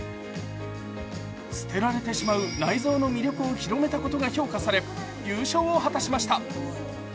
捨てられてしまう内臓の魅力を広めたことが評価され優勝を果たしました。